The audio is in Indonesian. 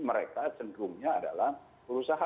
mereka centrum nya adalah